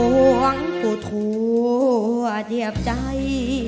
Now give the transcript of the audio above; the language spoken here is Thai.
หลวงผู้ถั่วเยียบใจ